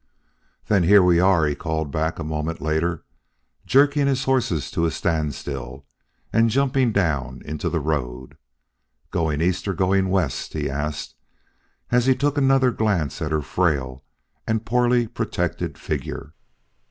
"Then here we are," he called back a moment later, jerking his horses to a standstill and jumping down into the road. "Goin' east or goin' west?" he asked as he took another glance at her frail and poorly protected figure.